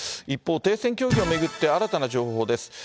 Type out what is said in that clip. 一方、停戦協議を巡って新たな情報です。